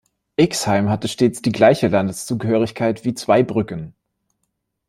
Ixheim hatte stets die gleiche Landeszugehörigkeit wie Zweibrücken.